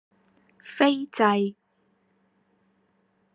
斐濟